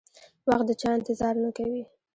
وخت د چا انتظار نه کوي.